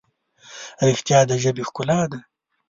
رښتیا د ژبې ښکلا ده.